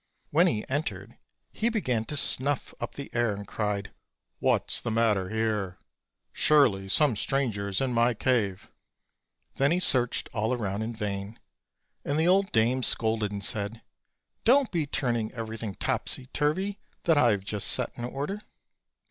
When he entered he began to snuff up the air, and cried: "What's the matter here? surely some stranger is in my cave." Then he searched all round in vain; and the old dame scolded and said: "Don't be turning everything topsy turvy that I have just set in order."